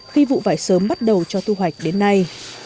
khi vụ vải sớm bắt đầu cho thu hoạch đến nay